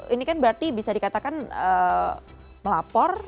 ini kan berarti bisa dikatakan melapor